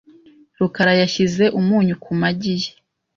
rukara yashyize umunyu ku magi ye .